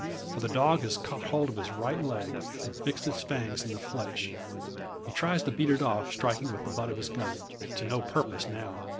For the dog has caught hold of his right leg, and fixed its fangs in the flesh. He tries to beat it off, striking with the butt of his gun. To no purpose now.